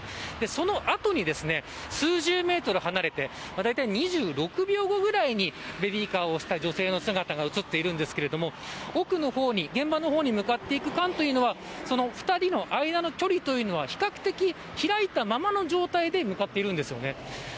その後にですね数十メートル離れてだいたい２６秒後ぐらいにベビーカーを押した女性の姿が映っているんですけれども奥の現場の方に向かっていく間というのはその２人の間の距離というのは比較的、開いたままの状態で向かっているんですよね。